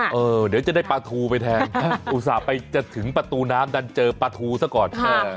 เดี๋ยวจะได้ปลาทูไปแทนอุตส่าห์ไปจะถึงประตูน้ำดันเจอปลาทูซะก่อน